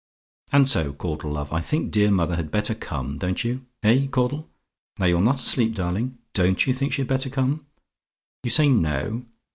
"And so, Caudle, love, I think dear mother had better come, don't you? Eh, Caudle? Now, you're not asleep, darling; don't you think she'd better come? You say NO?